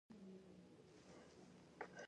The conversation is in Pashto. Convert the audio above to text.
ژبه باید بډایه شي